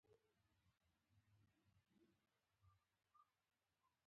مهارت زده کول زحمت غواړي.